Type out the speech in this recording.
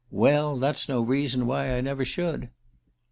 Well, that's no reason why I never should.